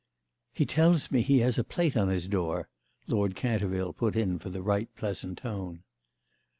"He tells me he has a plate on his door," Lord Canterville put in for the right pleasant tone.